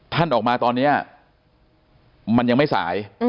ท่านออกมาตอนนี้มันยังไม่สาย